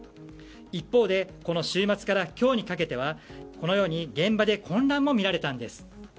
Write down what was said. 一方でこの週末から今日にかけてはこのように現場で混乱も見られたんです。